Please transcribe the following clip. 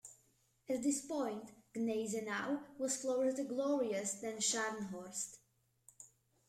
At this point, "Gneisenau" was closer to "Glorious" than "Scharnhorst".